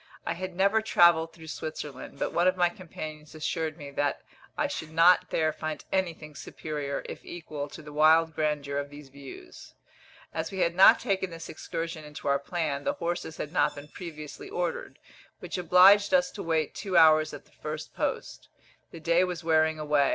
I had never travelled through Switzerland, but one of my companions assured me that I should not there find anything superior, if equal, to the wild grandeur of these views. As we had not taken this excursion into our plan, the horses had not been previously ordered, which obliged us to wait two hours at the first post. The day was wearing away.